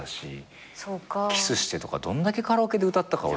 『ＫＩＳＳして』とかどんだけカラオケで歌ったか俺。